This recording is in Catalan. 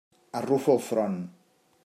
Arrufo el front.